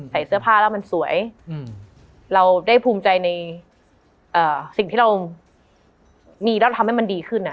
ใส่เสื้อผ้าแล้วมันสวยเราได้ภูมิใจในสิ่งที่เรามีแล้วทำให้มันดีขึ้น